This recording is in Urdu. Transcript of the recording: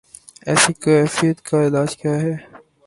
ایسی کیفیت کا علاج کیا ہے؟